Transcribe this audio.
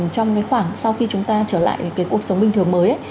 trong cái khoảng sau khi chúng ta trở lại cái cuộc sống bình thường mới